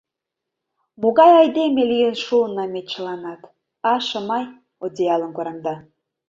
Могай айдеме лийын шуынна ме чыланат, а, Шымай? — одеялым кораҥда.